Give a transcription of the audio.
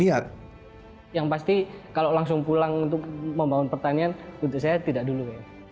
yang pasti kalau langsung pulang untuk membangun pertanian untuk saya tidak dulu